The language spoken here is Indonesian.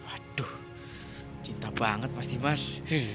aduh cinta banget pasti mas